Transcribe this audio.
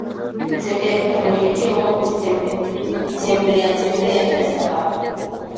Kutembea bila mwelekeo au kutembeatembea bila sababu